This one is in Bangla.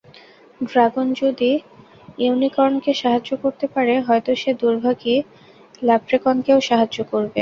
ড্রাগন যদি ইউনিকর্নকে সাহায্য করতে পারে, হয়তো সে দুর্ভাগী ল্যাপ্রেকনকেও সাহায্য করবে।